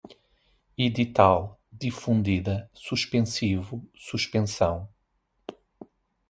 edital, difundida, suspensivo, suspensão